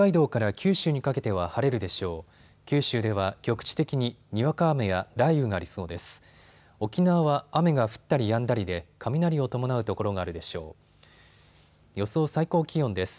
九州では局地的に、にわか雨や雷雨がありそうです。